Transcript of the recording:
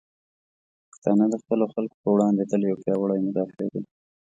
پښتانه د خپلو خلکو په وړاندې تل یو پیاوړي مدافع دی.